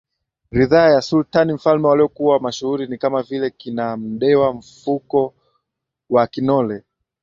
ridhaa ya Sultani MfalmeWaliokuwa mashuhuri ni kama vile kina Mndewa Fuko wa Kinole